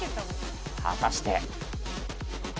果たして。